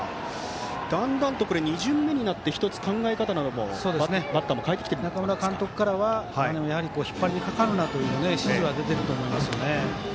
だんだんと２巡目になって１つ、考え方なども中村監督からは引っ張りにかかるなという指示は出ていると思います。